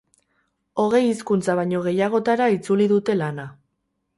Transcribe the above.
Hogei hizkuntza baino gehiagotara itzuli dute lana.